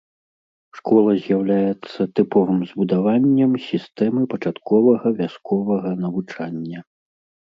Школа з'яўляецца тыповым збудаваннем сістэмы пачатковага вясковага навучання.